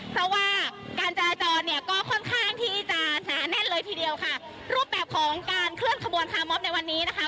เพราะว่าการจราจรเนี่ยก็ค่อนข้างที่จะหนาแน่นเลยทีเดียวค่ะรูปแบบของการเคลื่อนขบวนคาร์มอบในวันนี้นะคะ